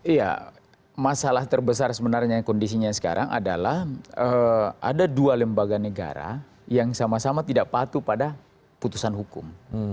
iya masalah terbesar sebenarnya kondisinya sekarang adalah ada dua lembaga negara yang sama sama tidak patuh pada putusan hukum